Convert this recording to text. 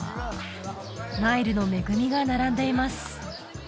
ナイルの恵みが並んでいます